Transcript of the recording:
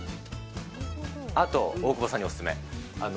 あと大久保さんにお勧め。